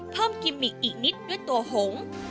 กิมมิกอีกนิดด้วยตัวหง